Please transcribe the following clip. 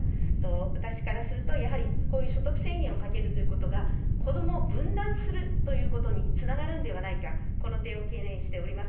私からすると、やはりこういう所得制限をかけるということが、子どもを分断するということにつながるんではないか、この点を懸念しております。